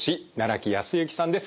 木康之さんです。